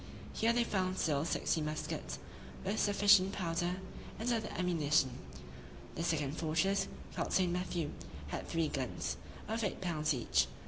Here they found still sixty muskets, with sufficient powder and other ammunition. The second fortress, called St. Matthew, had three guns, of eight pounds each.